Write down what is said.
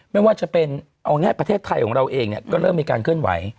ไม่ว่าจะเป็นเอาง่ายประเทศไทยของเราเองก็เริ่มมีการเคลื่อนไหว